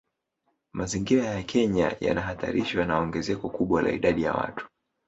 Mazingira ya Kenya yanahatarishwa na ongezeko kubwa la idadi ya watu